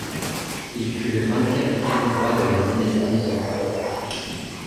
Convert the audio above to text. Il fut le vingt-quatrième roi de la dynastie Zhou.